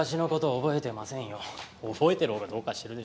覚えてるほうがどうかしてるでしょ。